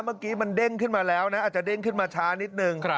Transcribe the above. เมื่อกี้มันเด้งขึ้นมาแล้วนะอาจจะเด้งขึ้นมาช้านิดนึง